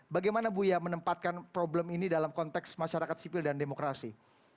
bagaimana buya menempatkan problem ini dalam konteks masyarakat sipil dan demokrasi